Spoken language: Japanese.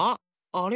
あれ？